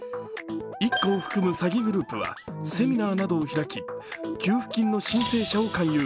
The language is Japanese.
一家を含む詐欺グループはセミナーなどを開き給付金の申請者を勧誘。